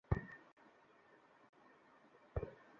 দেখুন লোকটিকে আপনি ময়ূর হত্যার অভিযোগ করেছেন?